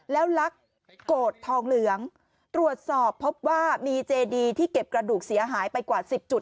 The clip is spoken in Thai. แล้วลักโกรธทองเหลืองตรวจสอบพบว่ามีเจดีที่เก็บกระดูกเสียหายไปกว่า๑๐จุด